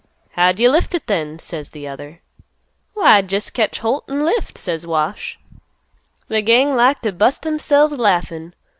"'How'd you lift it then?' says t'other. "'Why I'd jest catch holt an' lift,' says Wash. "The gang like t' bust themselves laughin'.